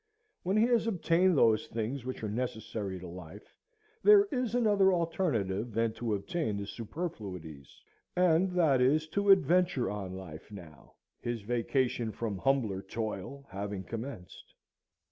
When he has obtained those things which are necessary to life, there is another alternative than to obtain the superfluities; and that is, to adventure on life now, his vacation from humbler toil having commenced.